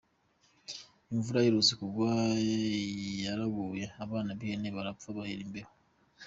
Imvura iherutse kugwa yaraguye abana b’ihene barapfa kubera imbeho.